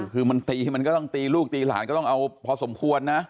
คือมันตีมันก็ต้องตีลูกตีหลานก็ต้องเอาพอสมควรนะ